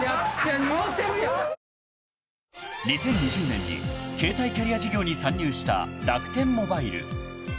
［２０２０年に携帯キャリア事業に参入した楽天モバイル］